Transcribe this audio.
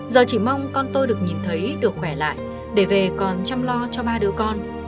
giờ chỉ mong con tôi được nhìn thấy được khỏe lại để về còn chăm lo cho ba đứa con